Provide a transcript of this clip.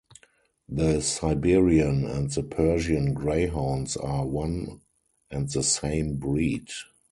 The Siberian and the Persian greyhounds are one and the same breed.